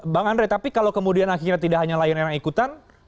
bang andre tapi kalau kemudian akhirnya tidak hanya lion air yang ikutan